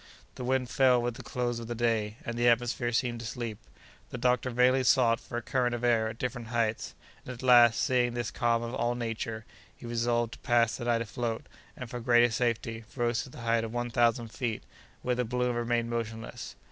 The wind fell with the close of the day, and the atmosphere seemed to sleep. The doctor vainly sought for a current of air at different heights, and, at last, seeing this calm of all nature, he resolved to pass the night afloat, and, for greater safety, rose to the height of one thousand feet, where the balloon remained motionless.